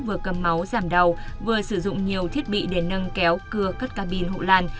vừa cầm máu giảm đau vừa sử dụng nhiều thiết bị để nâng kéo cưa cắt cabin hộ lan